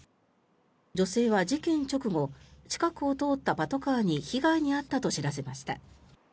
女性は事件直後近くを通ったパトカーに被害に遭ったと知らせました。